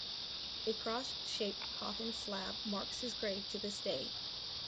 A cross-shaped coffin slab marks his grave to this day.